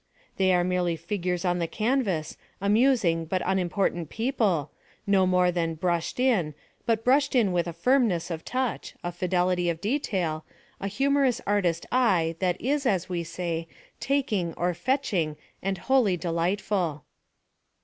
They are merely figures on the canvas, amusing but unim portant people, no more than "brushed in" but brushed in with a firmness of touch, a fidelity of detail, a humorous artist eye that is, as we say, "taking" or "fetching" and wholly delightful.